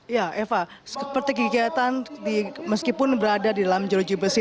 ya eva seperti kegiatan meskipun berada di dalam jeruji besi